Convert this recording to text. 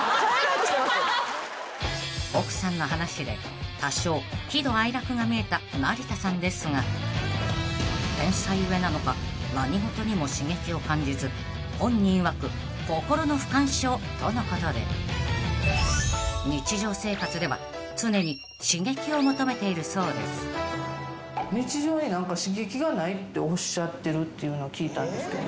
［奥さんの話で多少喜怒哀楽が見えた成田さんですが天才故なのか何事にも刺激を感じず本人いわく心の不感症とのことで日常生活では常に刺激を求めているそうです］っておっしゃってるっていうのを聞いたんですけど。